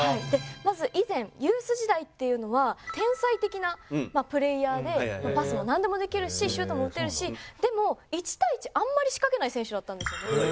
まず以前ユース時代っていうのは天才的なプレーヤーでパスもなんでもできるしシュートも打てるしでも１対１あんまり仕掛けない選手だったんですよ。